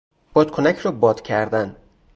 بادکنک را باد کردن